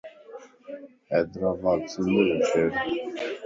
حيدرآباد سنڌ جو شھرَ